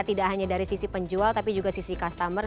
tidak hanya dari sisi penjual tapi juga sisi customer